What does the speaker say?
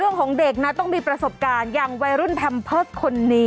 เรื่องของเด็กนะต้องมีประสบการณ์อย่างวัยรุ่นแพมเพิร์ตคนนี้